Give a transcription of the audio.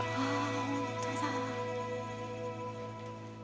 本当だ。